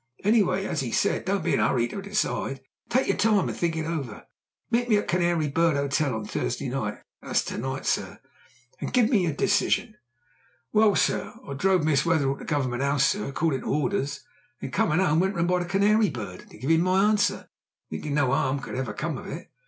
Anyway, as he said, 'Don't be in a 'urry to decide; take your time and think it over. Meet me at the Canary Bird 'Otel on Thursday night (that's to night, sir) and give me your decision.' Well, sir, I drove Miss Wetherell to Government 'Ouse, sir, according to orders, and then, comin' 'ome, went round by the Canary Bird, to give 'im my answer, thinkin' no 'arm could ever come of it.